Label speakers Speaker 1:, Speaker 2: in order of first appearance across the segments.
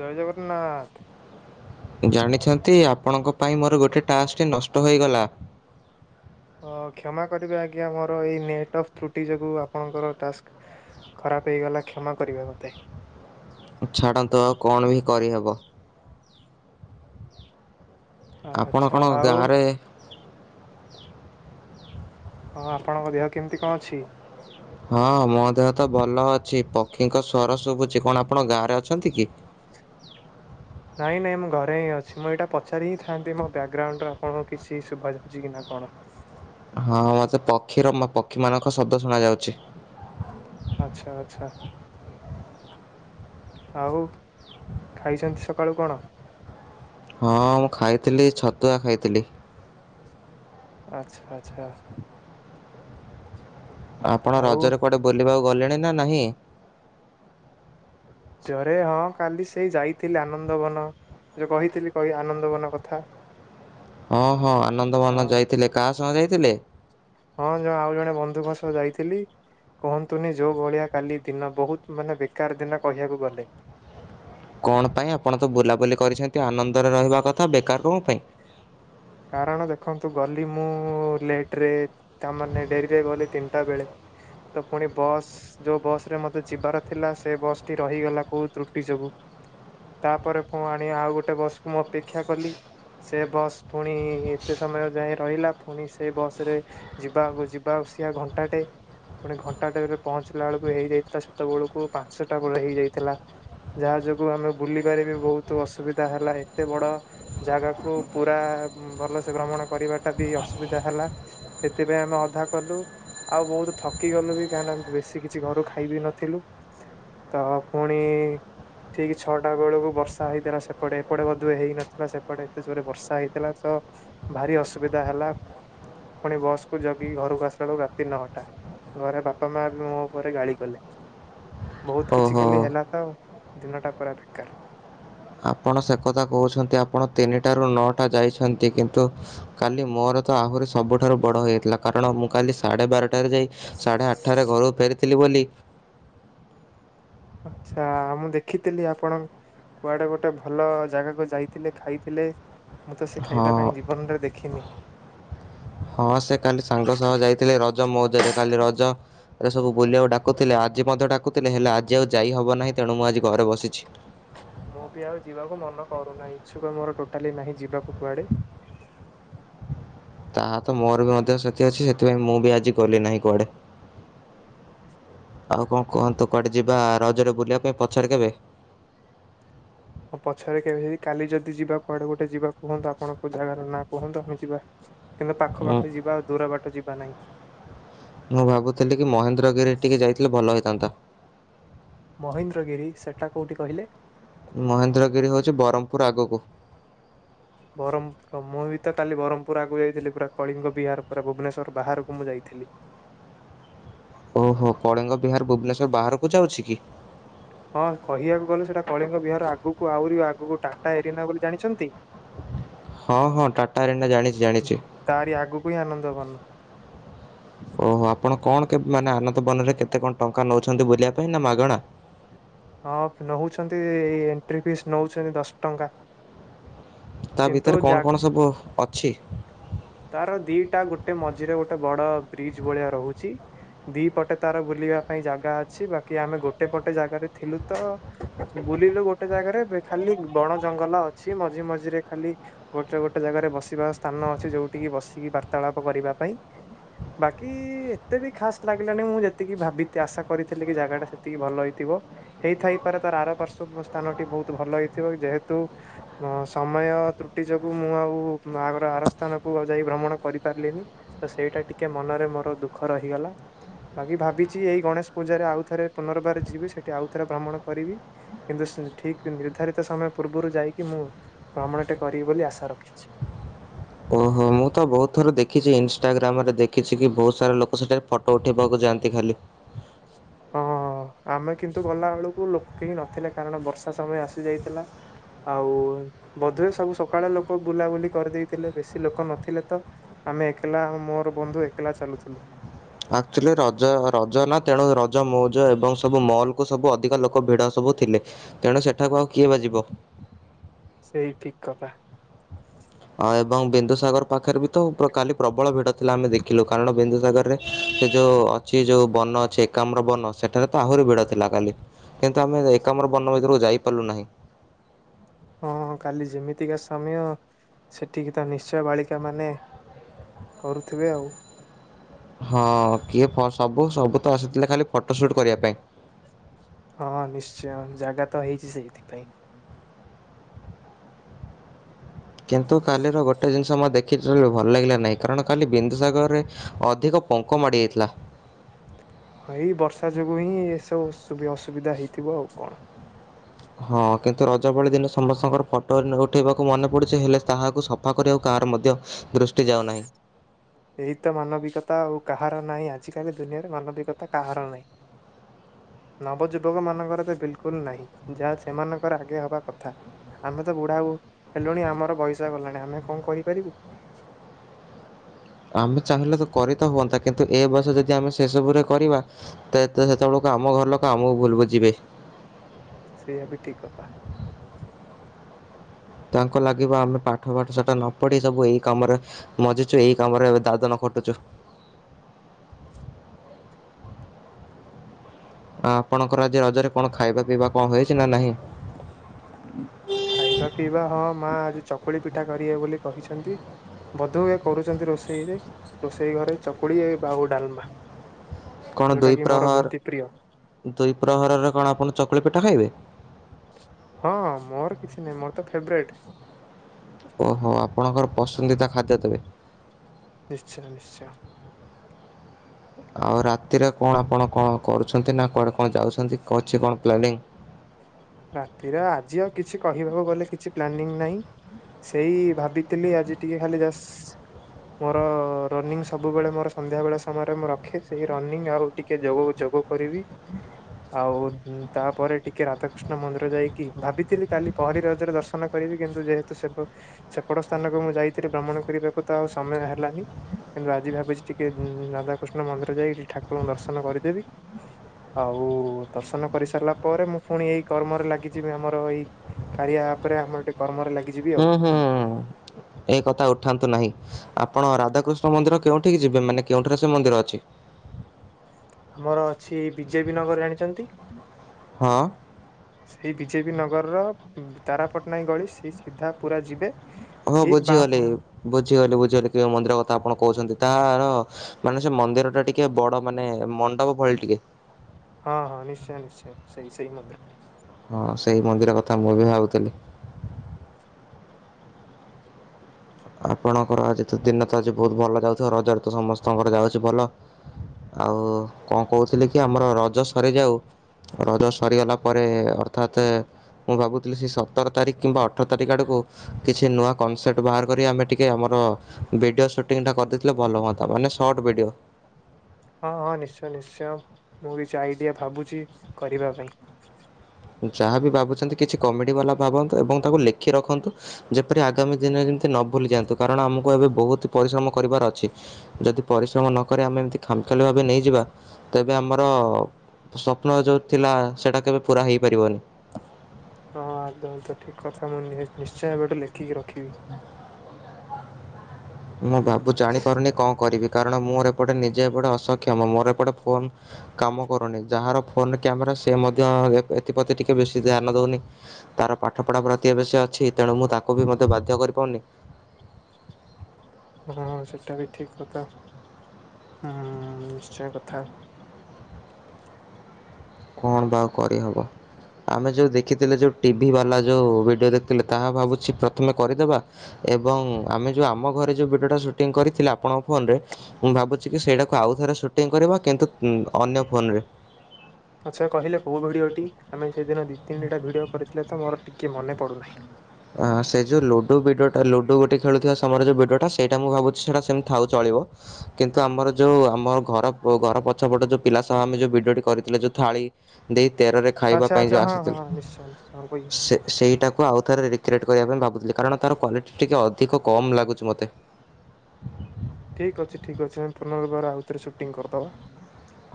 Speaker 1: ଜୟ ଜଗନ୍ନାଥ।
Speaker 2: ତେ ଆପଣଙ୍କ ପାଇଁ ମୋର ଗୋଟେ ଟାସ୍କଟି ନଷ୍ଟ ହୋଇଗଲା।
Speaker 1: ହ କ୍ଷମା କରିବେ ଆଜ୍ଞା ମୋର ଏଇ ନେଟ ଅଫ୍ ତ୍ରୁଟି ଯୋଗୁଁ ଆପଣଙ୍କର ଟାସ୍କ ଖରାପ ହେଇଗଲା କ୍ଷମା କରିବା ମୋତେ
Speaker 2: ଛାଡ଼ନ୍ତୁ ଆଉ କଣ ବି କରିହେବ? ଆପଣ
Speaker 1: ଆଚ୍ଛା
Speaker 2: କଣ
Speaker 1: ଆଉ?
Speaker 2: ଗାଁରେ
Speaker 1: ହଁ ଆପଣଙ୍କ ଦେହ କେମିତି କଣ ଅଛି?
Speaker 2: ହଁ ମୋ ଦେହ ତ ଭଲ ଅଛି ପକ୍ଷୀଙ୍କ ସ୍ଵର ଶୁଭୁଛି କଣ ଆପଣ ଗାଁରେ ଅଛନ୍ତି କି?
Speaker 1: ନାଇଁ ନାଇଁ ମୁଁ ଘରେ ହିଁ ଅଛି ମୁଁ ଏଇଟା ପଚାରି ହିଁ ଥାନ୍ତି ମୋ ବ୍ୟାକଗ୍ରାଉଣ୍ଡରେ ଆପଣଙ୍କୁ କିଛି ଶୁଭାଯାଉଛି କି ନା କଣ?
Speaker 2: ହଁ ମତେ ପକ୍ଷୀର ପକ୍ଷୀମାନଙ୍କ ଶବ୍ଦ ଶୁଣାଯାଉଛି।
Speaker 1: ଆଚ୍ଛା ଆଚ୍ଛା। ଆଉ ଖାଇଛନ୍ତି ସକାଳୁ କଣ?
Speaker 2: ହଁ ମୁଁ ଖାଇଥିଲି ଛତୁଆ ଖାଇଥିଲି।
Speaker 1: ଆଚ୍ଛା ଆଚ୍ଛା।
Speaker 2: ଆପଣ
Speaker 1: ଆଉ
Speaker 2: ରଜରେ କୁଆଡେ ବୁଲିବାକୁ ଗଲେଣି ନା ନାହିଁ?
Speaker 1: ଜୋରେ ହଁ କାଲି ସେଇ ଯାଇଥିଲି ଆନନ୍ଦବନ ଯୋଉ କହିଥିଲି କହି ଆନନ୍ଦବନ କଥା।
Speaker 2: ହଁ ହଁ ଆନନ୍ଦବନ
Speaker 1: ହଁ
Speaker 2: ଯାଇଥିଲେ କା ସହ ଯାଇଥିଲେ?
Speaker 1: ହଁ ଜଣ ଆଉ ଜଣେ ବନ୍ଧୁଙ୍କ ସହ ଯାଇଥିଲି କୁହନ୍ତୁନି ଯୋଉ ଭଳିଆ କାଲି ଦିନ ବହୁତ ମାନେ ବେକାର ଦିନ କହିବାକୁ ଗଲେ।
Speaker 2: କଣ ପାଇଁ ଆପଣ ତ ବୁଲାବୁଲି କରିଛନ୍ତି ଆନନ୍ଦରେ ରହିବା କଥା ବେକାର କଣ ପାଇଁ?
Speaker 1: କାରଣ ଦେଖନ୍ତୁ ଗଲି ମୁଁ ଲେଟରେ ତାମାନେ ଡେରିରେ ଗଲି ତିନିଟା ବେଳେ ତ ପୁଣି ବସ୍ ଯୋଉ ବସରେ ମୋତେ ଯିବାର ଥିଲା ସେ ବସଟି ରହିଗଲା କୋଉ ତ୍ରୁଟି ଯୋଗୁ ତାପରେ ପୁଣି ଆଉ ଗୋଟେ ବସ୍ କୁ ମୁଁ ଅପେକ୍ଷା କଲି ସେ ବସ୍ ପୁଣି ଏତେ ସମୟ ଯାଏ ରହିଲା ପୁଣି ସେ ବସ ରେ ଯିବାକୁ ଯିବା ଆସିଆ ଘଣ୍ଟାଟେ ପୁଣି ଘଣ୍ଟାଟେରେ ପହଞ୍ଚିଲା ବେଳକୁ ହେଇଯାଇଥିଲା ସେତେବେଳକୁ ପାଞ୍ଚଟା ବେଳ ହେଇଯାଇଥିଲା ଯାହା ଯୋଗୁଁ ଆମେ ବୁଲିବାରେ ବି ବହୁତ ଅସୁବିଧା ହେଲା ଏତେ ବଡ ଜାଗାକୁ ପୁରା ଭଲସେ ଭ୍ରମଣ କରିବାଟା ବି ଅସୁବିଧା ହେଲା ସେଥିପାଇଁ ଆମେ ଅଧା କଲୁ ଆଉ ବହୁତ ଥକି ଗଲୁ ବି କାହିଁକିନା ବେଶୀ କିଛି ଘରୁ ଖାଇ ବିି ନଥିଲୁ ତ ପୁଣି ଠିକ ଛଅଟା ବେଳକୁ ବର୍ଷା ହେଇଥିଲା ସେପଟେ ଏପଟେ ବୋଧ ହୁଏ ହେଇନଥିଲା ସେପଟେ ଏତେ ଜୋରେ ବର୍ଷା। ହେଇଥିଲା ତ ଭାରି ଅସୁବିଧା ହେଲା ପୁଣି ବସ୍ କୁ ଜଗିକି ଘରକୁ ଆସିଲା ବେଳକୁ ରାତି ନଅଟା ଘରେ ବାପା ମା ମୋ ଉପରେ ଗାଳି କଲେ ବହୁତ କିଛି ଖାଲି
Speaker 2: ଓହୋ
Speaker 1: ହେଲା ତ ଦିନଟା ପୁରା ବେକାର।
Speaker 2: ଆପଣ ସେ କଥା କହୁଛନ୍ତି ଆପଣ ତିନିଟାରୁ ନଅଟା ଯାଇଛନ୍ତି କିନ୍ତୁ କାଲି ମୋର ତ ଆହୁରି ସବୁଠାରୁ ବଡ଼ ହୋଇଯାଇଥିଲା କାରଣ ମୁଁ କାଲି ସାଢ଼େ ବାରଟା ଆଠଟାରେ ଯାଇ ସାଢ଼େ ଆଠଟାରେ ଘରକୁ ଫେରିଥିଲି ବୋଲି [unintelligible]
Speaker 1: ଆଚ୍ଛା ମୁଁ ଦେଖିଥିଲି ଆପଣ କୁଆଡେ ଗୋଟେ ଭଲ ଜାଗାକୁ ଯାଇଥିଲେ ଖାଇଥିଲେ ମୁଁ ତ ସେ ଖାଇବା
Speaker 2: ହଁ,
Speaker 1: କାଇଁ ଜୀବନରେ ଦେଖିନି।
Speaker 2: ହଁ ସେ କାଲି ସାଙ୍ଗ ସହ ଯାଇଥିଲେ ରଜ ମଉଜରେ। କାଲି ରଜରେ ସବୁ ବୁଲିବାକୁ ଡାକୁଥିଲେ ଆଜି ମଧ୍ୟ ଡାକୁଥିଲେ ହେଲେ ଆଜି ଆଉ ଯାଇ ହବ ନାହିଁ ତେଣୁ ମୁଁ ଆଜି ଘରେ ବସିଛି।
Speaker 1: ମୁଁ ବି ଆଉ ଯିବାକୁ ମନ କରୁନାହିଁ ଇଚ୍ଛୁକ ମୋର ଟୋଟାଲି ନାହିଁ ଯିବାକୁ କୁଆଡେ।
Speaker 2: ତାହା ତ ମୋର ବି ମଧ୍ୟ ସେଥି ଅଛି ସେଥିପାଇଁ ମୁଁ ବି ଆଜି ଗଲି ନାହିଁ କୁଆଡେ। ଆଉ କଣ କୁହନ୍ତୁ କୁଆଡେ ଯିବା ରଜରେ ବୁଲିବା ପାଇଁ ପଛରେ କେବେ?
Speaker 1: ହଁ ପଛରେ କେବେ କାଲି ଯଦି ଯିବା କୁଆଡେ ଗୋଟେ ଯିବା କୁହନ୍ତୁ ଆପଣଙ୍କ ଜାଗାର ନାଁ କୁହନ୍ତୁ ଆମେ ଯିବା କିନ୍ତୁ ପାଖ
Speaker 2: ମୁଁ
Speaker 1: ପାଖରେ ଯିବା ଆଉ ଦୂର ବାଟ ଯିବା ନାହିଁ।
Speaker 2: ମୁଁ ଭାବୁଥିଲି କି ମହେନ୍ଦ୍ରଗିରିରେ ଟିକେ ଯାଇଥିଲେ ଭଲ ହେଇଥାନ୍ତା।
Speaker 1: ମହେନ୍ଦ୍ରଗିରି ସେଟା କୋଉଠି କହିଲେ?
Speaker 2: ମହେନ୍ଦ୍ରଗିରି ହଉଛି ବ୍ରହ୍ମପୁର ଆଗକୁ।
Speaker 1: ବ୍ରହ୍ମପୁର ମୁଁ ବି ତ କାଲି ବ୍ରହ୍ମପୁର ଆଗକୁ ଯାଇଥିଲି ପୁରା କଳିଙ୍ଗ ବିହାର ପୁରା ଭୁବନେଶ୍ୱର ବାହାରକୁ ମୁଁ ଯାଇଥିଲି।
Speaker 2: ଓହୋ କଳିଙ୍ଗ ବିହାର ଭୁବନେଶ୍ୱର ବାହାରକୁ ଯାଉଛି କି?
Speaker 1: ହଁ କହିବାକୁ ଗଲେ ସେଟା କଳିଙ୍ଗ ବିହାର ଆଗକୁ ଆହୁରି ଆଗକୁ ଟାଟା ଏରିନା ବୋଲି ଜାଣିଛନ୍ତି?
Speaker 2: ହଁ ହଁ ଟାଟା ରେଣ୍ଡା ଜାଣିଛି ଜାଣିଛି।
Speaker 1: ତାରି ଆଗକୁ ଆନନ୍ଦବନ।
Speaker 2: ଓହୋ ଆପଣ କଣ କେ ମାନେ ଆନନ୍ଦ ବନରେ କେତେ କଣ ଟଙ୍କା ନଉଛନ୍ତି ବୁଲିବା ପାଇଁ ନା ମାଗଣା?
Speaker 1: ହଁ ନଉଛନ୍ତି ଏଇ ଏଣ୍ଟ୍ରି ଫିସ୍ ନଉଛନ୍ତି ଦଶ ଟଙ୍କା।
Speaker 2: ତା
Speaker 1: କିନ୍ତୁ
Speaker 2: ଭିତରେ କଣ କଣ
Speaker 1: ଜାଗ
Speaker 2: ସବୁ ଅଛି।
Speaker 1: ତାର ଦିଟା ଗୋଟେ ମଝିରେ ଗୋଟେ ବଡ ବ୍ରିଜ ଭଳିଆ ରହୁଛି। ଦି ପଟେ ତାର ବୁଲିବା ପାଇଁ ଜାଗା ଅଛି। ବାକି ଆମେ ଗୋଟେ ପଟେ ଜାଗାରେ ଥିଲୁ। ତ ବୁଲିଲୁ ଗୋଟେ ଜାଗାରେ ଖାଲି ବଣ ଜଙ୍ଗଲ ଅଛି। ମଝି ମଝିରେ ଖାଲି ଗୋଟେ ଗୋଟେ ଜାଗାରେ ବସିବା ସ୍ଥାନ ଅ ଯୋଉଠି ବସିକି ବାର୍ତ୍ତାଳାପ କରିବା ପାଇଁ ବାକି ଏତେ ବି ଖାସ ଲାଗିଲାନି। ମୁଁ ଯେତିକି ଭାବି ଆଶା କରିଥିଲି। କି ଜାଗାଟା ସେତିକି ଭଲ ହେଇଥିବ ହେଇଥାଇପାରେ। ତାର ଆର ପାର୍ଶ୍ୱଵ ସ୍ଥାନ ଟି ବହୁତ ଭଲ ହେଇଥିବ। ଯେହେତୁ ସମୟ ତ୍ରୁଟି ଯୋଗୁ ମୁଁ ଆଉ ଆଗର ଆର ସ୍ଥାନକୁ ଯାଇ ଭ୍ରମଣ କରିପାରିଲିନି। ତ ସେଇଟା ଟିକେ ମନରେ ମୋର ଦୁଃଖ ରହିଗଲା। ବାକି ଭାବିଛି ଏଇ ଗଣେଶ ପୂଜାରେ ଆଉଥରେ ପୁନର୍ବାର ଯିବି ସେଠି ଆଉ ଥରେ ଭ୍ରମଣ କରିବି। କିନ୍ତୁ ଠିକ ନିର୍ଦ୍ଧାରିତ ସମୟ ପୂର୍ବରୁ ଯାଇକି ମୁଁ ଭ୍ରମଣଟେ କରିବି ବୋଲି ଆଶା ରଖିଛି। [inaudible]
Speaker 2: ଓହୋ ମୁଁ ତ ବହୁତ ଥର ଦେଖିଛି ଇନସଷ୍ଟାଗ୍ରାମ ରେ ଦେଖିଛି। କି ବହୁତ ସାରା ଲୋକ ସେଠାରେ ଫଟୋ ଉଠେଇବାକୁ ଯାଆନ୍ତି ଖାଲି। ମୁଁ
Speaker 1: ହଁ ଆମେ କିନ୍ତୁ ଗଲା ବେଳକୁ ଲୋକ କେହି ନଥିଲେ। କାରଣ ବର୍ଷା ସମୟ ଆସି ଯାଇଥିଲା। ଆଉ ବୋଧେ ସବୁ ସକାଳେ ଲୋକ ବୁଲାବୁଲି କରିଦେଇଥିଲେ। ବେଶୀ ଲୋକ ନଥିଲେ ତ ଆମେ ଏକଲା ମୋର ବନ୍ଧୁ ଏକଲା ଚାଲୁଥିଲୁ।
Speaker 2: ଆକ୍ଚୁଲି ରଜ ରଜ ନା ତେଣୁ ରଜ ମଉଜ ଏବଂ ସବୁ ମଲ୍କୁୁ ସବୁ ଅଧିକ ଲୋକ ଭିଡ଼ ସବୁ ଥିଲେ। ତେଣୁ ସେଠାକୁ ଆଉ କିଏ ବା ଜିବ।
Speaker 1: ସେଇ ଠିକ କଥା।
Speaker 2: ଏବଂ ବିନ୍ଦୁସାଗର ପାଖରେ ବି ତ କାଲି ପ୍ରବଳ ଭିଡ ଥିଲା ଆମେ ଦେଖିଲୁ। କାରଣ ବିନ୍ଦୁସାଗର ରେ ସେ ଯୋଉ ଅଛି। ଯୋଉ ବନ ଅଛି ଏକାମର ବନ ସେଠାରେ ତ ଆହୁରି ଭିଡ ଥିଲା। କାଲି କିନ୍ତୁ ଆମେ ଏକାମ୍ର ବନ ଭିତରକୁ ଯାଇପାରିଲୁ ନାହିଁ।
Speaker 1: ହଁ କାଲି ଯେମିତିକା ସମୟ ସେଠିକି ତ ନିଶ୍ଚୟ ବାଳିକା ମାନେ [inaudible] କରୁଥିବେ ଆଉ।
Speaker 2: ହଁ କିଏ ସବୁ ସବୁ ତ ଆସିଥିଲା ଖାଲି ଫଟୋ ସୁଟ କରିବା ପାଇଁ। [inaudible]
Speaker 1: ହଁ ନିଶ୍ଚୟ ଜାଗା ତ ହେଇଛି ସେଇଥିପାଇଁ।
Speaker 2: କିନ୍ତୁ କାଲିର ଗୋଟେ ଜିନିଷ ମୁଁ ଦେ ଭଲ ଲାଗିଲା ନାହିଁ କାରଣ କାଲି ବିନ୍ଦୁସାଗରରେ ଅଧିକ ପଙ୍କ ମାଡି ଯାଇଥିଲା।
Speaker 1: ହଁ, ଏଇ ବର୍ଷା ଯୋଗୁ ହିଁ ଏସବୁ ଅସୁବିଧା ହେଇଥିବ ଆଉ କଣ?
Speaker 2: ହଁ କିନ୍ତୁ ରଜବାଳି ଦିନ ସମସ୍ତଙ୍କର ଫଟୋ ଉଠେଇବାକୁ ମନେ ପଡୁଛି। ହେଲେ ତାହାକୁ ସଫା କରିବାକୁ କାହାର ମଧ୍ୟ ଦୃଷ୍ଟି ଯାଉନାହିଁ।
Speaker 1: ଏହି ତ ମାନବିକତା ଆଉ କାହାର ନାହିଁ। ଆଜିକାଲି ଦୁନିଆରେ ମାନବିକତା କାହାର ନାହିଁ। [inaudible] ନବ ଯୁବକ ମାନଙ୍କର ତ ବିଲକୁଲ ନାହିଁ। ଯାହା ସେମାନଙ୍କର ଆଗେ ହବା କଥା ଆମେ ତ ବୁଢା ହେଲୁଣି ଆମର ବଇସା ଗଲାଣି ଆମେ କଣ କହିପାରିବୁ। [inaudible]
Speaker 2: ଆମେ ଚାହିଁଲେ ତ କରି ତ ହୁଅନ୍ତା। କିନ୍ତୁ ଏ ବର୍ଷ ଯଦି ଆମେ ସେ ସବୁରେ କରିବା ତ ସେତେବେଳକୁ ଆମ ଘର ଲୋକ ଆମକୁ ଭୁଲ ବୁଝିବେ। [inaudible]
Speaker 1: ସେଇଆ ବି ଠିକ କଥା। [inaudible]
Speaker 2: ତାଙ୍କୁ ଲାଗିବ ଆମେ ପାଠ ପାଠ ସେଠା ନ ପଢି ସବୁ ଏଇ କାମରେ ମଜିଛୁ। ଏଇ କାମରେ ଦାଦନ ଖଟୁଛୁ। [inaudible] ଆପଣଙ୍କର ଆଜି ରଜରେ କଣ ଖାଇବା ପିଇବା କଣ ହୁଏଛି ନା ନାହିଁ। [inaudible]
Speaker 1: ଖାଇବା ପିଇବା ହଁ ମା ଆଜି ଚକୁଳି ପିଠା କରିବେ ବୋଲି କହିଛନ୍ତି। ବୋଧହୁଏ କରୁଛନ୍ତି ରୋଷେଇରେ ରୋଷେଇ ଘରେ ଚକୁଳି ଆଉ ଡାଲମା।
Speaker 2: କଣ
Speaker 1: ଯୋଉଟା
Speaker 2: ଦୁଇ
Speaker 1: କି ମୋର
Speaker 2: ପ୍ରହର
Speaker 1: ଅତି ପ୍ରିୟ।
Speaker 2: [inaudible] ଦୁଇ ପ୍ରହରରେ କଣ ଆପଣ ଚକୁଳି ପିଠା ଖାଇବେ
Speaker 1: ହଁ ମୋର କିଛି ନାହିଁ ମୋର ତ ଫେବରେଟ। [inaudible]
Speaker 2: ଓହୋ ଆପଣଙ୍କର ପସନ୍ଦିତା ଖାଦ୍ୟ ତେବେ।
Speaker 1: ନିଶ୍ଚୟ ନିଶ୍ଚୟ।
Speaker 2: ଆଉ ରାତିରେ କଣ ଆପଣ କଣ କରୁଛନ୍ତି ନା କର। କଣ ଯାଉଛନ୍ତି ଅଛି କଣ ପ୍ଲାନିଂ।
Speaker 1: ରାତିରେ ଆଜି ଆଉ କିଛି କହିବାକୁ ଗଲେ କିଛି ପ୍ଲାନିଂ ନାହିଁ ସେଇ ଭାବିଥିଲି ଆଜି ଟିକେ ଖାଲି ଜ ମୋର ରନିଂ ସବୁବେଳେ ମୋର ସନ୍ଧ୍ୟା ବେଳେ ସମୟରେ ମୁଁ ରଖେ। ସେଇ ରନିଂ ଆଉ ଟିକେ ଯୋଗ ଯୋଗ କରିବି। ଆଉ ତାପରେ ଟିକେ ରାଧାକୃଷ୍ଣ କଣ ମନ୍ଦିର ଯାଇକି ଭାବିଥିଲି କାଲି ପହରି ରଜରେ ଦର୍ଶନ କରିବି କିନ୍ତୁ ଯେହେତୁ ସେ ସେପଟ ସ୍ଥାନକୁ ମୁଁ ଯାଇଥିଲି ଭ୍ରମଣ କରିବାକୁ ତ ଆଉ ସମୟ ହେଲାନି କିନ୍ତୁ ଆଜି ଭାବୁଛି ଟିକେ ରାଧାକୃଷ୍ଣ ମନ୍ଦିର ଯାଇକି ଟିକେ ଠାକୁରଙ୍କୁ ଦର୍ଶନ କରିଦେବି। ଆଉ ଦର୍ଶନ କରିସାରିଲା ପରେ ମୁଁ ପୁଣି ଏ କର୍ମରେ ଲାଗିଛି ବି ଆମର ଏଇ କାରିଆପରେ ଆମର ଗେ କର୍ମରେ ଲାଗି।
Speaker 2: ହୁଁ ହୁଁ ଏ କଥା ଉଠାନ୍ତୁ ନାହିଁ। ଆପଣ ରାଧାକୃଷ୍ଣ ମନ୍ଦିର କେଉଠିକି ଯିବେ। ମାନେ କେଉଠାରେ ସେ ମନ୍ଦିର ଅଛି। [inaudible]
Speaker 1: ଆମର ଅଛି ବିଜେପି ନଗର ଜାଣିଛନ୍ତି।
Speaker 2: ହଁ
Speaker 1: [inaudible] ସେଇ ବିଜେପି ନଗରର ତାରା ପଟ୍ଟନାୟକ ଗଳି ସେ ସିଧା ପୁରା ଯିବେ
Speaker 2: ହଁ
Speaker 1: ଠିକ ବାଁ
Speaker 2: ବୁଝିଗଲି
Speaker 1: ପ
Speaker 2: ବୁଝିଗଲି ବୁଝିଗଲି କି ମନ୍ଦିର କଥା ଆପଣ କହୁଛନ୍ତି ତାହାର ମାନେ ସେ ମନ୍ଦିର ଟା ଟିକେ ବଡ ମାନେ ମଣ୍ଡପ ଭଳି ଟିକେ
Speaker 1: ହଁ ହଁ ନିଶ୍ଚୟ ନିଶ୍ଚୟ ସେଇ ସେଇ ମନ୍ଦିର।
Speaker 2: ହଁ ସେଇ ମନ୍ଦିର କଥା ମୁଁ ବି ଭାବୁଥିଲି। ଆପଣଙ୍କର ଆଜି ତ ଦିନ ତ ଆଜି ବହୁତ ଭଲ ଯାଉଥିବ ରଜରେ ତ ସମସ୍ତଙ୍କର ଯାଉଛି ଭଲ ଆଉ କଣ କହୁଥିଲି କି ଆମର ରଜ ସରିଯାଉ ରଜ ସରିଗଲା ପରେ ଅର୍ଥାତ ମୁଁ ଭାବୁଥିଲି ସେ ସତର ତାରିଖ କିମ୍ବା ଅଠର ତାରିଖ ଆଡକୁ କିଛି ନୂଆ କନସେପ୍ଟ ବାହାର। ଆମେ ଟିକେ ଆମର ଭିଡିଓ ସୁଟିଂ ଟା କରିଦେଇଥିଲେ। ଭଲ ହୁଅନ୍ତା ମାନେ ସଟ ଭିଡିଓ
Speaker 1: ହଁ ହଁ ନିଶ୍ଚୟ ନିଶ୍ଚୟ ମୁଁ କିଛି ଆଇଡିଆ ଭାବୁଛି କରିବା ପାଇଁ
Speaker 2: ଯାହା ବିି ଭାବୁଛନ୍ତି କିଛି କମେଡି ବାଲା ଭାବନ୍ତୁ ଏବଂ ତାକୁ ଲେଖି ରଖନ୍ତୁ ଯେପରି ଆଗାମୀ ଦିନରେ ଯେମିତି ନ ଭୁଲି ଯାଆନ୍ତୁ କାରଣ ଆମକୁ ଏବେ ବହୁତ ପରିଶ୍ରମ କରିବାର ଅଛି ଯଦି ପରିଶ୍ରମ ନକରି ଆମେ ଏମିତି ଖାମଖିଆଲି ଭାବେ ନେଇଯିବା ତ ଏବେ ଆମର ସ୍ୱପ୍ନ ଯୋଉ ଥିଲା ସେଟା କେବେ ପୁରା ହେଇ ପାରିିବନି।
Speaker 1: ହଁ ଆଦମ ତ ଠିକ କଥା ମୁଁ ନିଶ୍ଚୟ ଏବେଠୁ ଲେଖିକି ରଖିବି।
Speaker 2: ମୁଁ ବାବୁ ଜାଣିପାରୁନି କଣ କରିବି? କାରଣ ମୋର ଏପଟେ ନିଜେ ଏପଟେ ଅସକ୍ଷମ ମୋର ଏପଟେ ଫୋନ୍ କାମ କରୁନି ଯାହାର ଫୋନ କ୍ୟାମେରା ସେ ମଧ୍ୟ ଏଥିପ୍ରତି ଟିକେ ବେଶୀ ଧ୍ୟାନ ଦେଉନି ତାର ପାଠପଢ଼ା ପ୍ରତି ବେଶୀ ଅଛି ତେଣୁ ମୁଁ ତାକୁ ବି ମଧ୍ୟ ବାଧ୍ୟ କରିପାରୁନି।
Speaker 1: ହଁ ସେଟା ବି ଠିକ କଥା ହୁଁ ନିଶ୍ଚୟ କଥା।
Speaker 2: କଣ ବା ଆଉ କରିହେବ ଆମେ ଯଉ ଦେଖିଥିଲେ ଯେଉ ଟିଭି ବାଲା ଯଉ ଭିଡ଼ିଓ ଦେଖିଥିଲେ ତାହା ଭାବୁଛି ପ୍ରଥମେ କରିଦେବା ଏବଂ ଆମେ ଯେଉଁ ଆମ ଘରେ ଯେଉଁ ଭିଡ଼ିଓଟା ସୁଟିଂ କରିଥିଲେ ଆପଣଙ୍କ ଫୋନରେ ମୁଁ ଭାବୁଛି କି ସେଇଟାକୁ ଆଉଥରେ ସୁଟିଂ କରିବା କିନ୍ତୁ ଅନ୍ୟ ଫୋନରେ।
Speaker 1: ଆଚ୍ଛା କହିଲେ କୋଉ ଭିଡ଼ିଓଟି ଆମେ ସେଦିନ ଦୁଇ ତିନିଟା ଭିଡ଼ିଓ କରିଥିଲେ ତ ମୋର ଟିକେ ମନେ ପଡୁନାହିଁ।
Speaker 2: ହ ସେ ଯୋଉ ଲୁଡୁ ବିଡିଓ ଟା ଲୁଡୁ ଗୋଟି ଖେଳୁଥିବା ସମୟରେ ଯୋଉ ବିଡିଓଟା ସେଇଟା ମୁଁ ଭାବୁଛି ସେଟା ସେମିତି ଥାଉ ଚଳିବ କିନ୍ତୁ ଆମର ଯୋଉ ଆମର ଘର ଘର ପଛପଟ ଯୋଉ ପିଲା ସହ ଆମେ ଯୋଉ ଭଡିଓଟି କରିଥିଲେ ଯଉ ଥାଳି ଦେଇ ତେରରେ ଖାଇବା
Speaker 1: ଆଚ୍ଛା
Speaker 2: ପାଇଁ ଯଉ
Speaker 1: ଆଚ୍ଛା ହଁ ହଁ
Speaker 2: ଆସୁଥୁଲେ
Speaker 1: ନିଶ୍ଚୟ ନିଶ୍ଚୟ କହିବି।
Speaker 2: ସେ-ସେଇଟାକୁ ଆଉଥରେ। କ୍ରିଏଟ୍ କରିବା ପାଇଁ ଭାବୁଥିଲି କାରଣ ତାର କ୍ୱାଲିଟି ଟିକିଏ ଅଧିକ କମ୍ ଲାଗୁଛି ମୋତେ।
Speaker 1: ଠିକ୍ ଅଛି ଠିକ୍ ଅଛି ଆମେ ପୁନର୍ବାର ଆଉଥରେ ସୁଟିଂ କରିଦବା।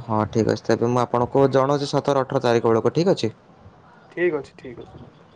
Speaker 2: ହଁ ଠିକ୍ ଅଛି ତାକୁ ମୁଁ ଆପଣଙ୍କୁ ଜଣାଉଛି ସତର ଅଠର ତାରିଖ। ବେଳକୁ ଠିକ୍ ଅଛି।
Speaker 1: ଠିକ ଅଛି ଠିକ ଅଛି ବନ୍ଧୁ।